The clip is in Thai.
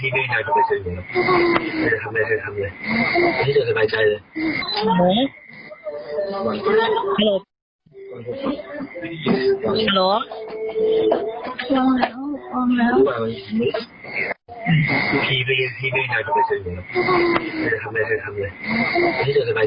เธอทำอะไรเคยทำอะไรเอาที่จนสบายใจเลย